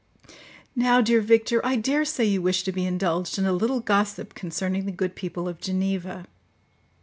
"Now, dear Victor, I dare say you wish to be indulged in a little gossip concerning the good people of Geneva.